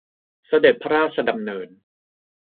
เสด็จพระราชดำเนิน